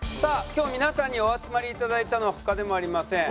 今日皆さんにお集まりいただいたのは他でもありません。